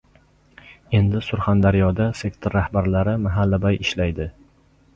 Endi Surxondaryoda sektor rahbarlari mahallabay ishlaydi